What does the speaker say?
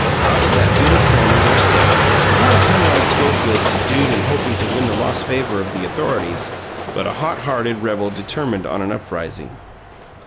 Out of that bitter corner there stepped, not a Penrod Schofield subdued and hoping to win the lost favour of the Authorities, but a hot hearted rebel determined on an uprising.